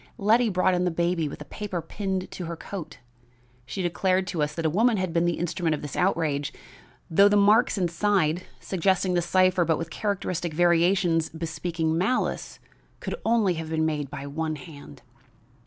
Letty brought in the baby with a paper pinned to her coat. She declared to us that a woman had been the instrument of this outrage, though the marks inside, suggesting the cipher but with characteristic variations bespeaking malice, could only have been made by one hand.